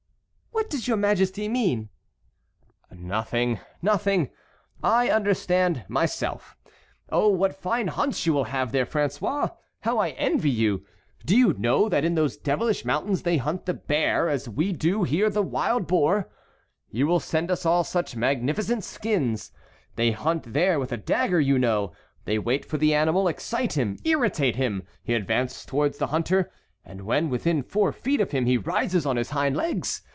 "What does your Majesty mean?" "Nothing, nothing; I understand myself. Oh, what fine hunts you will have there, François! How I envy you! Do you know that in those devilish mountains they hunt the bear as here we do the wild boar? You will send us all such magnificent skins! They hunt there with a dagger, you know; they wait for the animal, excite him, irritate him; he advances towards the hunter, and when within four feet of him he rises on his hind legs.